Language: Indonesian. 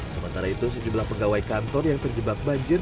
sementara itu sejumlah pegawai kantor yang terjebak banjir